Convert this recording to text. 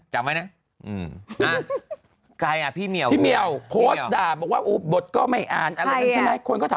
ใช่ปีหน้าวินาทหรือ